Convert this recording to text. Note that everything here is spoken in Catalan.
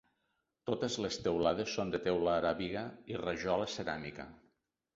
Totes les taulades són de teula aràbiga i rajola ceràmica.